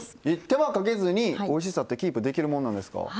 えっ手間かけずにおいしさってキープできるもんなんですか？